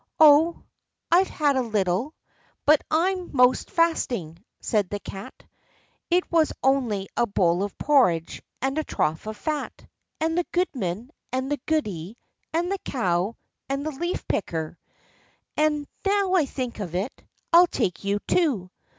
"Oh, I've had a little, but I'm 'most fasting," said the Cat; "it was only a bowl of porridge, and a trough of fat, and the goodman, and the goody, and the cow, and the leaf picker—and, now I think of it, I'll take you too."